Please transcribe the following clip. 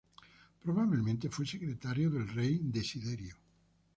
Probablemente fue secretario del rey Desiderio.